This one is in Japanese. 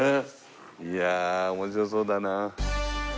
いやあ面白そうだなあ。